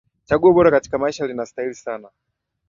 chaguo bora katika maisha linastahili sana